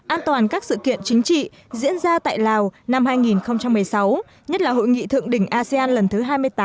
an toàn các sự kiện chính trị diễn ra tại lào năm hai nghìn một mươi sáu nhất là hội nghị thượng đỉnh asean lần thứ hai mươi tám